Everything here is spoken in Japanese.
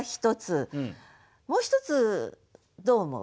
もう一つどう思う？